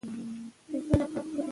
که مور ته غوږ شو نو جنت نه ورکيږي.